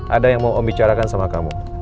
ada yang mau om bicarakan sama kamu